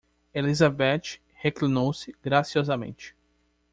Elizabeth reclinou-se graciosamente.